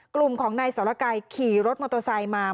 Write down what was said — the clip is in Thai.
กลุ่มของนายสรกัยขี่รถมอเตอร์ไซค์มา